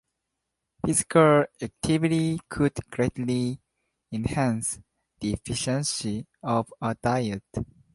Physical activity could greatly enhance the efficiency of a diet.